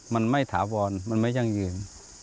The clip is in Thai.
มันไม่ถาวรมันไม่ยั่งยืน